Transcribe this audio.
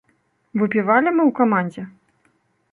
Выпівалі мы ў камандзе?